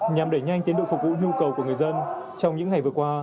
nhằm đẩy nhanh tiến độ phục vụ nhu cầu của người dân trong những ngày vừa qua